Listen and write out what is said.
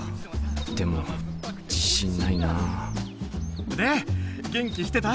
でも自信ないなで元気してた？